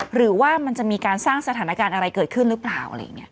หรือว่ามันจะมีการสร้างสถานการณ์อะไรเกิดขึ้นหรือเปล่าอะไรอย่างนี้